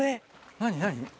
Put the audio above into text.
何何？